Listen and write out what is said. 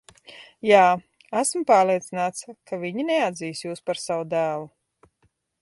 Jā, esmu pārliecināts, ka viņi neatzīs jūs par savu dēlu.